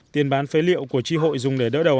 tiền bán phế liệu của tri hội dùng để đỡ đầu